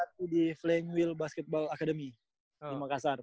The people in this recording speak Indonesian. dia ngelatih di flang wheel basketball academy di makassar